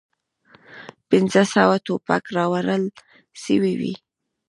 پنځه سوه توپک راوړل سوي وې.